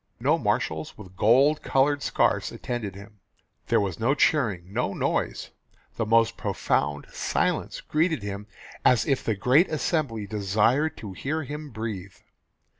No marshals with gold coloured scarfs attended him; there was no cheering, no noise; the most profound silence greeted him as if the great assembly desired to hear him breathe.